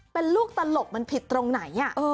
เป็นลูกตลกมันผิดตรงไหน